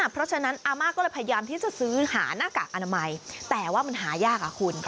เพราะฉะนั้นอาม่าก็เลยพยายามที่จะซื้อหาหน้ากากอนามัยแต่ว่ามันหายากอะคุณ